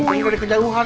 ngupin dari kejauhan